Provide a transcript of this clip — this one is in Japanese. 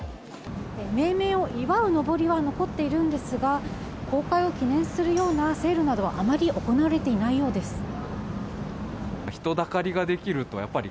命名を祝うのぼりは残っているんですが公開を記念するようなセールなどはあまり行われていないようです。